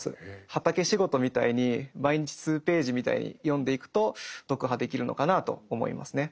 畑仕事みたいに毎日数ページみたいに読んでいくと読破できるのかなと思いますね。